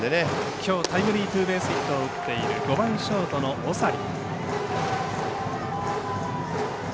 きょうタイムリーツーベースヒットを打っている５番ショートの長利。